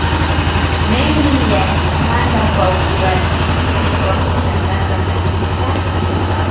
mengine yalipanda kwa urahisi Kwa kushangaza katika